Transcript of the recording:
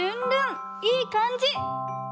いいかんじ！